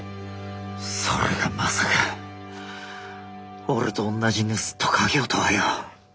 それがまさか俺とおんなじ盗人稼業とはよ。